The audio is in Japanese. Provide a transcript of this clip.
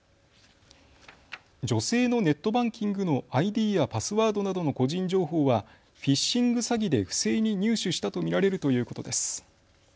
女性のネットバンキングのＩＤやパスワードなどの個人情報はフィッシング詐欺で不正に入手したと見られるということです。